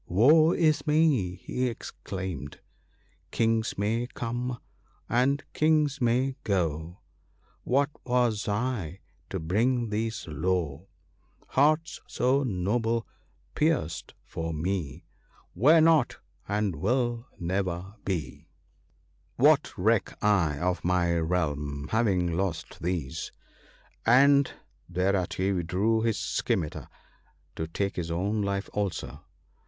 ' Woe is me !' he exclaimed, —" Kings may come, and Kings may go ; What was I, to bring these low ? Hearts so noble, pierced for me, Were not, and will never be !" WAR. I07 What reck I of my realm, having lost these ?' and thereat he drew his scimitar to take his own life also.